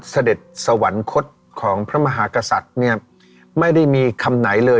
อืม